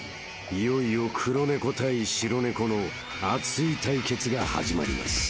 ［いよいよ黒猫対白猫の熱い対決が始まります］